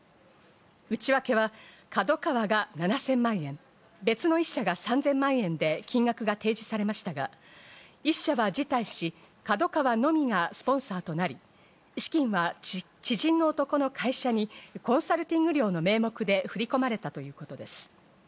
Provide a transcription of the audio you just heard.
内訳はＫＡＤＯＫＡＷＡが７０００万円、別の１社が３０００万円で、金額が提示されましたが、１社は辞退し、ＫＡＤＯＫＡＷＡのみがスポンサーとなり、資金は知人の男の会社にコンサルティング料の名目で振り込まれたということです。